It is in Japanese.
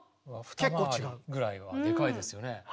二回りぐらいはでかいですよね。